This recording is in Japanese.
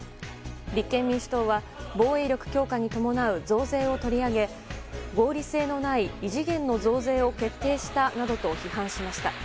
立憲民主党は防衛力強化に伴う増税を取り上げ合理性のない異次元の増税を決定したなどと批判しました。